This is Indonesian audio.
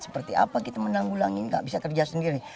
seperti apa kita menanggulangi gak bisa kerja sendiri